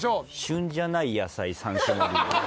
旬じゃない野菜三種盛り。